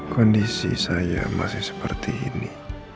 kondisi saya masih seperti ini